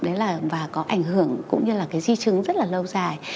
đấy là và có ảnh hưởng cũng như là cái di chứng rất là lâu dài